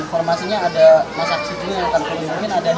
informasinya ada masa aksi ini yang akan terlihat aksi